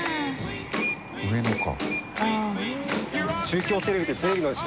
上野か。